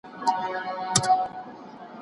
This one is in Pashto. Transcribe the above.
پرمختللي هېوادونه د پوهې له لارې پرمختګ کوي.